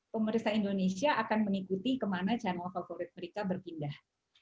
pemeriksa indonesia akan mengikuti kemana channel kalkulasi mereka berpindah